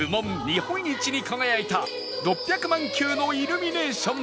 日本一に輝いた６００万球のイルミネーションと